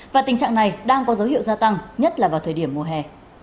và tình trạng này đang có dấu hiệu gia tăng nhất là vào thời điểm mùa hè